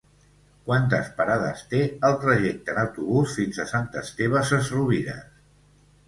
Quantes parades té el trajecte en autobús fins a Sant Esteve Sesrovires?